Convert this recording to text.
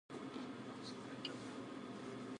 Its northernmost border is the Missouri state line.